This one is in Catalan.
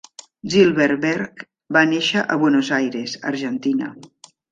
Zylberberg va néixer a Buenos Aires, Argentina.